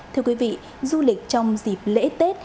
thưa quý vị du lịch trong dịp lễ tết